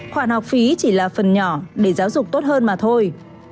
khoản học phí chỉ là phần nhỏ để giáo dục tốt hơn mà thôi